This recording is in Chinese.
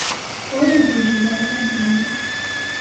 我也不知道在哪里